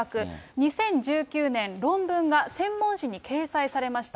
２０１９年、論文が専門誌に掲載されました。